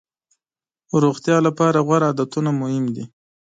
روغتیا لپاره غوره عادتونه مهم دي.